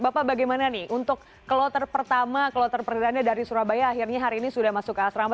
bapak bagaimana nih untuk kloter pertama kloter perdana dari surabaya akhirnya hari ini sudah masuk ke asrama